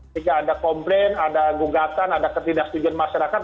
jika ada komplain ada gugatan ada ketidak tujuan masyarakat